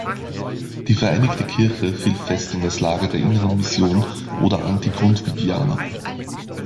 Die Vereinigte Kirche fiel fest in das Lager der Inneren Mission oder Anti-Grundtvigianer.